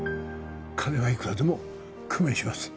金はいくらでも工面します